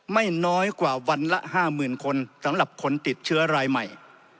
ไม่น้อยกว่าวันละ๕๐๐๐คนสำหรับคนติดเชื้อรายใหม่